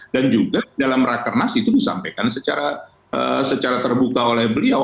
dan juga dalam rekenasi itu disampaikan secara terbuka oleh beliau